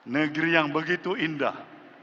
negeri yang begitu indah